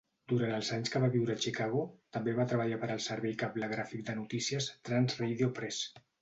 Durant els anys que va viure a Chicago, també va treballar per al servei cablegràfic de notícies Trans-Radio Press.